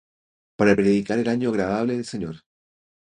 Para predicar el año agradable del Señor.